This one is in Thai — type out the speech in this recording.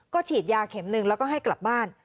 ฉีดยาเข็มหนึ่งแล้วก็ให้กลับบ้าน